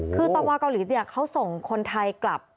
คือตอมมอล์เกาหลีเนี่ยเขาส่งคนไทยกลับ